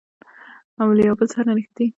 له یوه او بل سره نښتي.